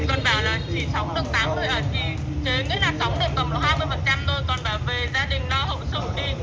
chứ nghĩ là sống được tầm hai mươi thôi còn bảo về gia đình lo hậu sự đi